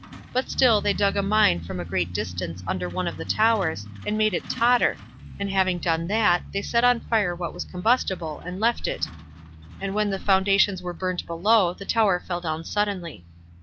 But still they dug a mine from a great distance under one of the towers, and made it totter; and having done that, they set on fire what was combustible, and left it; and when the foundations were burnt below, the tower fell down suddenly.